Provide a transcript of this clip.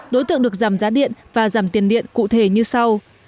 đối tượng được giảm giá điện và giảm tiền điện cụ thể như sau